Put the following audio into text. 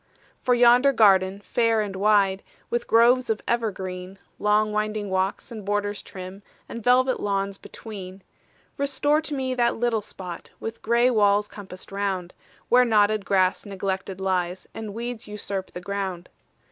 For yonder garden, fair and wide, With groves of evergreen, Long winding walks, and borders trim, And velvet lawns between; Restore to me that little spot, With gray walls compassed round, Where knotted grass neglected lies, And weeds usurp the ground.